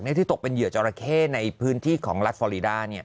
ที่ตกเป็นเหยื่อจราเข้ในพื้นที่ของรัฐฟอรีดา